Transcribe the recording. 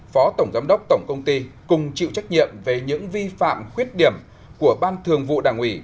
phó tổng giám đốc tổng công ty cùng chịu trách nhiệm về những vi phạm khuyết điểm của ban thường vụ đảng ủy